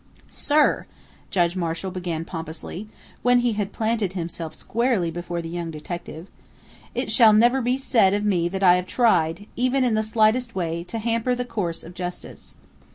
"Sir!" Judge Marshall began pompously, when he had planted himself squarely before the young detective, "It shall never be said of me that I have tried, even in the slightest way, to hamper the course of justice."